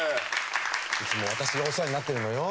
いつも私がお世話になっているのよ。